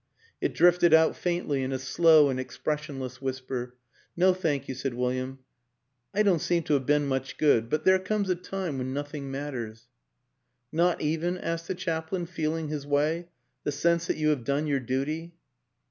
It drifted out faintly in a slow and expression less whisper. " No, thank you," said William. " I don't seem to have been much good ... but there comes a time ... when nothing matters." " Not even," asked the chaplain, feeling his way, " the sense that you have done your duty?